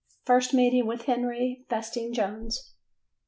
First meeting with Henry Festing Jones.